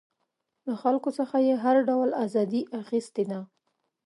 له خلکو څخه یې هر ډول ازادي اخیستې ده.